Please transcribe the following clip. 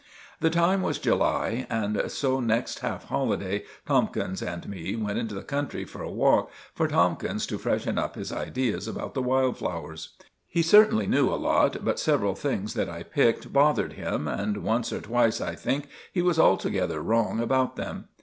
The time was July, and so next half holiday Tomkins and me went into the country for a walk, for Tomkins to freshen up his ideas about the wild flowers. He certainly knew a lot, but several things that I picked bothered him, and once or twice, I think, he was altogether wrong about them.